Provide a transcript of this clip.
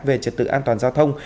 về trật tự an toàn giao thông